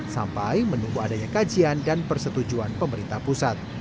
sampai menunggu adanya kajian dan persetujuan pemerintah pusat